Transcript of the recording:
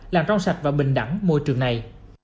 làm trong sạch và bình đẳng môi trường này